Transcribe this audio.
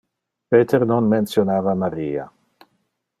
Peter non mentionava Maria.